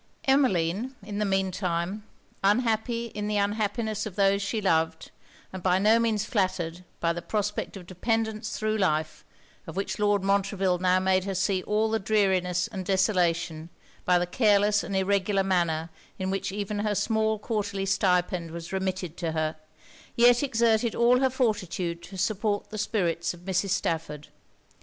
Emmeline, in the mean time, unhappy in the unhappiness of those she loved, and by no means flattered by the prospect of dependance thro' life, of which Lord Montreville now made her see all the dreariness and desolation, by the careless and irregular manner in which even her small quarterly stipend was remitted to her, yet exerted all her fortitude to support the spirits of Mrs. Stafford.